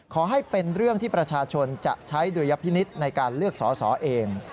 ขอให้เป็นเรื่องที่ประชาชนจะใช้ดุลยพินิษฐ์ในการเลือกสอสอเอง